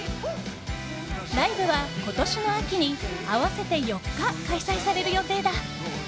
ライブは今年の秋に合わせて４日開催される予定だ。